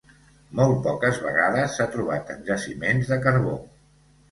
Molt poques vegades s'ha trobat en jaciments de carbó.